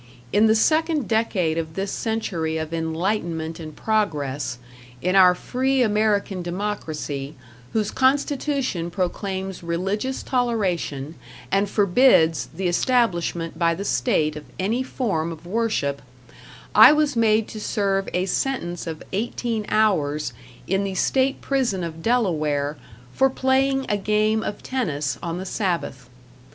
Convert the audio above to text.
In the second decade of this century of enlightenment and progress, in our free American democracy, whose constitution proclaims religious toleration, and forbids the establishment by the state of any form of worship, I was made to serve a sentence of eighteen hours in the state prison of Delaware for playing a game of tennis on the Sabbath.